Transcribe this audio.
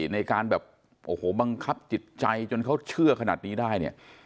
ในการแบบโอ้โหบังคับจิตใจจนเขาเชื่อขนาดนี้ได้เนี่ย